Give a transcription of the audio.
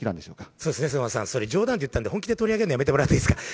そうですね、それ冗談で言ったんで、本気で取り上げるの、やめてもらっていいですか。